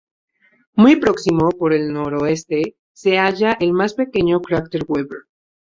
Muy próximo por el noroeste se halla el más pequeño cráter Weber.